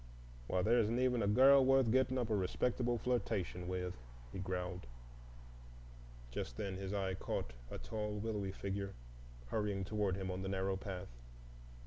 "Why, there isn't even a girl worth getting up a respectable flirtation with," he growled. Just then his eye caught a tall, willowy figure hurrying toward him on the narrow path.